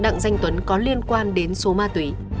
đặng danh tuấn có liên quan đến số ma túy